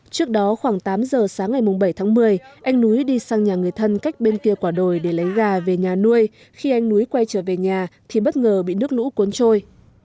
trước đó khoảng tám giờ sáng ngày bảy tháng một mươi anh núi đi sang nhà người thân cách bên kia quả đồi để lấy gà về nhà nuôi khi anh núi quay trở về nhà thì bất ngờ bị nước lũ cuốn trôi